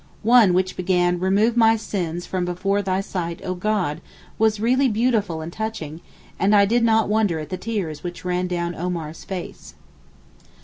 One which began 'Remove my sins from before thy sight Oh God' was really beautiful and touching, and I did not wonder at the tears which ran down Omar's face.